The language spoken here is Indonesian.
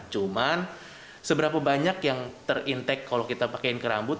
cuman seberapa banyak yang terintek kalau kita pakaiin ke rambut